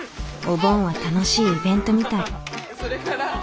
お盆は楽しいイベントみたい。